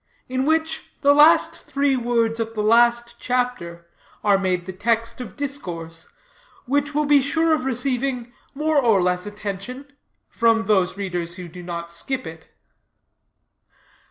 IN WHICH THE LAST THREE WORDS OF THE LAST CHAPTER ARE MADE THE TEXT OF DISCOURSE, WHICH WILL BE SURE OF RECEIVING MORE OR LESS ATTENTION FROM THOSE READERS WHO DO NOT SKIP IT.